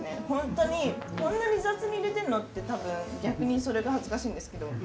本当に「こんなに雑に入れてんの？」って多分逆にそれが恥ずかしいんですけど。